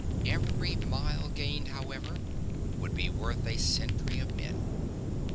Every mile gained, however, would be worth a century of men.